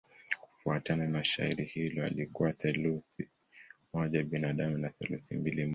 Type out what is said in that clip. Kufuatana na shairi hilo alikuwa theluthi moja binadamu na theluthi mbili mungu.